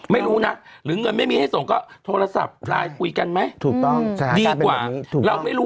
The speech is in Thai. ไม่รู้นะหรือเงินไม่มีให้ส่งก็โทรศัพท์ไลน์คุยกันไหมถูกต้องสถานการณ์เป็นแบบนี้